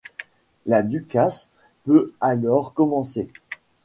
La ducasse peut alors commencer.